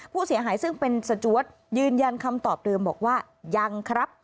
ผู้เสียหายซึ่งเป็นสจวดยืนยันคำตอบเดิมบอกว่ายังครับ